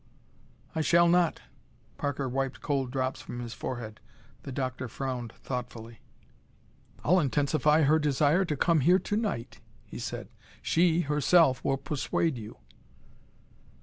"I shall not!" Parker wiped cold drops from his forehead. The doctor frowned thoughtfully. "I'll intensify her desire to come here to night," he said. "She herself will persuade you."